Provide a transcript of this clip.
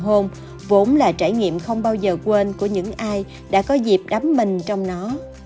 hôm vốn là trải nghiệm không bao giờ quên của những ai đã có dịp đắm mình trong nó